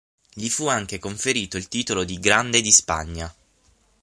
Gli fu anche conferito il titolo di Grande di Spagna.